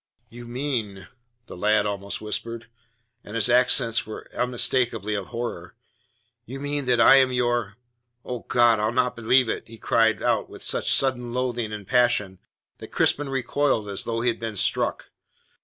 "You mean," the lad almost whispered, and his accents were unmistakably of horror, "you mean that I am your Oh, God, I'll not believe it!" he cried out, with such sudden loathing and passion that Crispin recoiled as though he had been struck.